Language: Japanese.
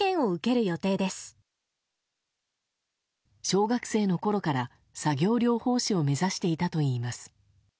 小学生のころから作業療法士を目指していたといいます。